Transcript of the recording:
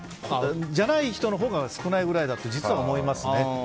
じゃない人のほうが少ないぐらいだと実は思います。